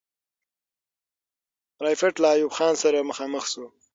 رایپټ له ایوب خان سره مخامخ سو.